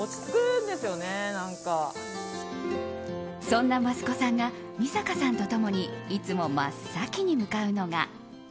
そんな益子さんが美坂さんとともにいつも真っ先に向かうのが。